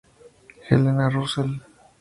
Helena Russell".